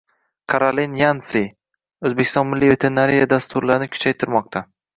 Karolin Yansi: O‘zbekiston milliy veterinariya dasturlarini kuchaytirmoqdang